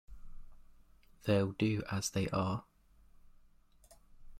They'll do as they are?